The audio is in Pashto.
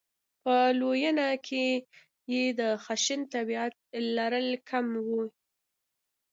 په لویېنه کې یې د خشن طبعیت لرل کم وي.